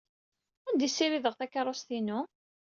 Anda ay ssirideɣ takeṛṛust-inu?